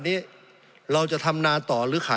สงบจนจะตายหมดแล้วครับ